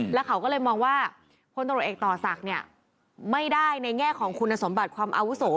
แล้วเขาก็เลยมองว่าพลตรวจเอกต่อศักดิ์เนี่ยไม่ได้ในแง่ของคุณสมบัติความอาวุโส